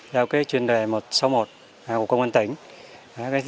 theo chuyên đề một trăm sáu mươi một của công an tỉnh